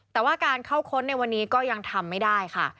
แต่ว่าการเข้าค้นในวันนี้ก็ยังทำไม่ได้ค่ะ